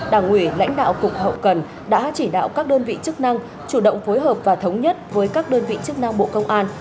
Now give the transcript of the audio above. đảng ủy lãnh đạo cục hậu cần đã chỉ đạo các đơn vị chức năng chủ động phối hợp và thống nhất với các đơn vị chức năng bộ công an